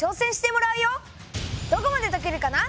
どこまでとけるかな？